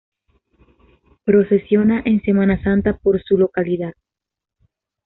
Procesiona en Semana Santa por su localidad.